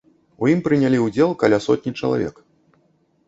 У ім прынялі ўдзел каля сотні чалавек.